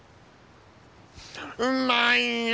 うまいよ。